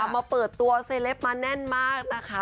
มาเปิดตัวเซลปมาแน่นมากนะคะ